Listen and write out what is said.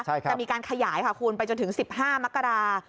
จะมีการขยายคูณไปจนถึง๑๕มกราศ์